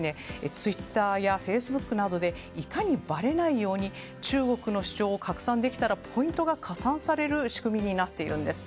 ツイッターやフェイスブックなどでいかにばれないように中国の主張を拡散できたらポイントが加算される仕組みになっているんです。